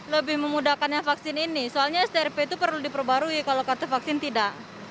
lebih memudahkannya vaksin ini soalnya strp itu perlu diperbarui kalau kartu vaksin tidak